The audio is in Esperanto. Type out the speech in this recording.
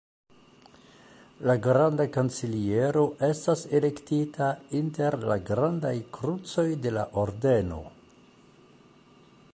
La granda kanceliero estas elektita inter la grandaj krucoj de la ordeno.